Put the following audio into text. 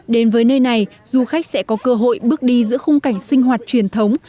đến với nơi này du khách sẽ có cơ hội bước đi giữa khung cảnh sinh hoạt truyền thống